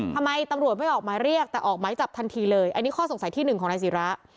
ทำไมตำรวจไม่ออกหมายเรียกแต่ออกหมายจับทันทีเลยอันนี้ข้อสงสัยที่หนึ่งของนายศิระ